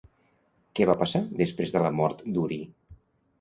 Què va passar després de la mort d'Urie?